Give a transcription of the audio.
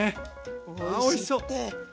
うわおいしそう！